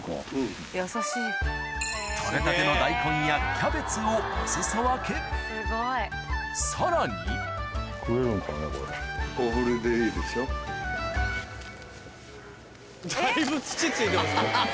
取れたての大根やキャベツをお裾分けさらにだいぶ土付いてますよ。